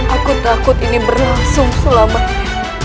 aku takut ini berlangsung selamanya